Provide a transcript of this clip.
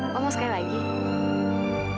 mereka ber characterize bir tujuh ratus tahun